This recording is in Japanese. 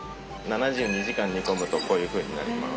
７２時間煮込むとこういうふうになります。